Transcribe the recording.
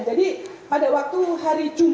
jadi pada waktu hari jumat